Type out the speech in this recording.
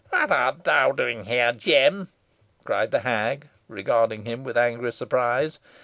"What art thou doing here, Jem?" cried the hag, regarding him with angry surprise.